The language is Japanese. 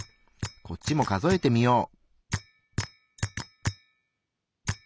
こっちも数えてみよう。